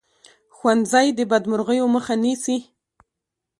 ښوونځی د بدمرغیو مخه نیسي